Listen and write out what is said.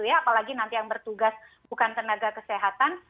apalagi nanti yang bertugas bukan tenaga kesehatan